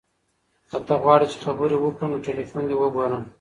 که ته غواړې چې خبرې وکړو نو تلیفون دې ته وګوره.